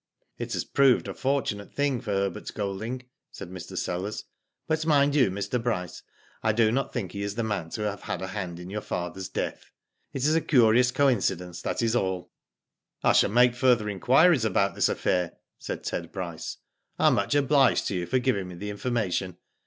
" It has proved a fortunate thing for Herbert Golding," said Mr. Sellers ;" but mind you, Mr. Bryce, I do not think he is the man to have had a hand in your father's death. It is a curious coincidence^ th^t i§ all." Digitized by Googk 2i6 WHO DID ITf I shall make further inquiries about this affair," said Ted Bryce. "I am much obliged to you for giving me the information.